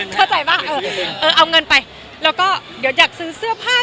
เข้าใจปะเอาเงินไปแล้วก็อยากซื้อเสื้อผ้า